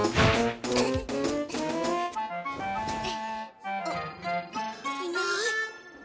んっいない。